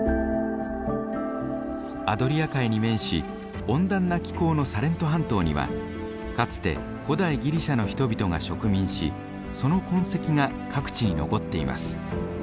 アドリア海に面し温暖な気候のサレント半島にはかつて古代ギリシャの人々が植民しその痕跡が各地に残っています。